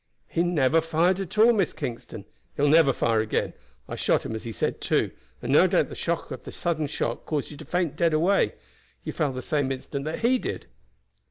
"He never fired at all, Miss Kingston; he will never fire again. I shot him as he said 'two,' and no doubt the shock of the sudden shot caused you to faint dead away. You fell the same instant that he did."